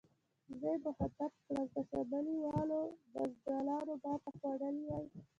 زه یې مخاطب کړم: که شمالي والو بزدلانو ماته خوړلې وي.